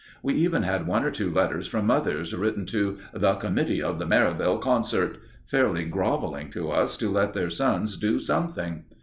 We even had one or two letters from mothers, written to "The Committee of the Merivale Concert," fairly grovelling to us to let their sons do something.